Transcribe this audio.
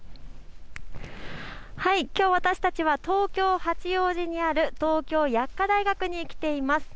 きょう私たちは東京八王子にある東京薬科大学に来ています。